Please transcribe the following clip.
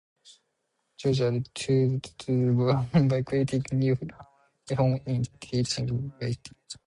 George added to that prestige by creating new reforms in teaching Latin.